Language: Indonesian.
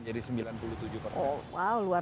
jadi dana desanya nanti juga dua kali lipat